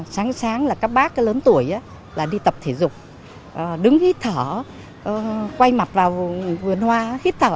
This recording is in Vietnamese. sáng sáng là các bác lớn tuổi đi tập thể dục đứng hít thở quay mặt vào vườn hoa hít thở